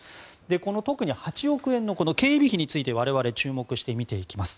この特に８億円の警備費について我々、注目して見ていきます。